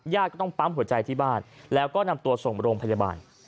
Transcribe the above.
ก็ต้องปั๊มหัวใจที่บ้านแล้วก็นำตัวส่งโรงพยาบาล